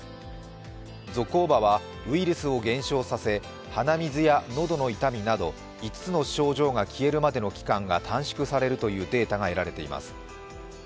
ゾコーバはウイルスを減少させ、鼻水や喉の痛みなど５つの症状が消えるまでの期間が短縮されるというデータが得られています。